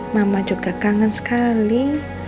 mama juga kangen sekali